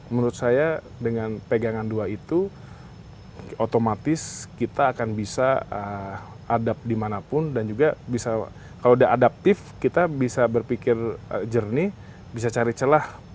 menurut saya dengan pegangan dua itu otomatis kita akan bisa adap dimanapun dan juga bisa kalau udah adaptif kita bisa berpikir jernih bisa cari celah